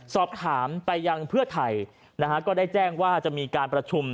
สอบถามไปยังเพื่อไทยนะฮะก็ได้แจ้งว่าจะมีการประชุม